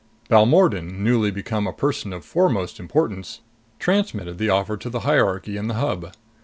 Balmordan, newly become a person of foremost importance, transmitted the offer to the hierarchy in the Hub.